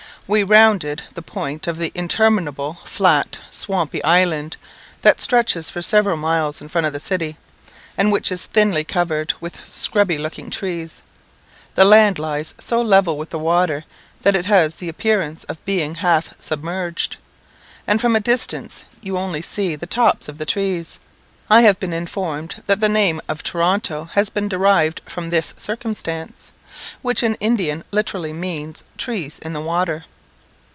We rounded the point of the interminable, flat, swampy island, that stretches for several miles in front of the city, and which is thinly covered with scrubby looking trees. The land lies so level with the water, that it has the appearance of being half submerged, and from a distance you only see the tops of the trees. I have been informed that the name of Toronto has been derived from this circumstance, which in Indian literally means, "Trees in the water."